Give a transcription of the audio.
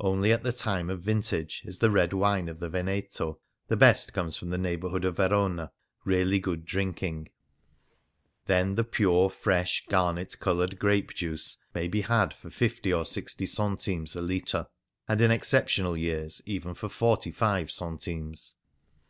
Only at the time of vintage is the red wine of the Veneto (the best comes from the neighbourhood of Verona) really good drink ing. Then the pure, fresh, garnet coloured grape juice may be had for fifty or sixty centimes a litre, and in exceptional years even for forty five centimes.